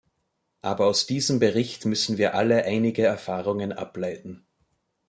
Aber aus diesem Bericht müssen wir alle einige Erfahrungen ableiten.